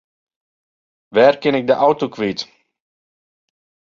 Wêr kin ik de auto kwyt?